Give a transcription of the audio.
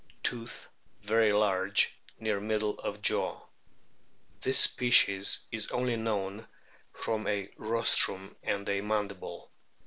Tooth very large, near middle of jaw. This species is only known from a rostrum and a mandible.